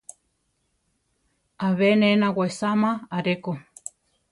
Abe ne nawesama areko.